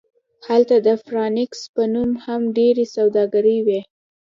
هلته د فرانکس په نوم هم ډیرې سوداګرۍ وې